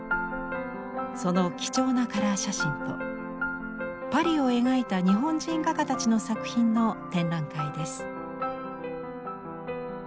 その貴重なカラー写真とパリを描いた日本人画家たちの作品の展覧会です。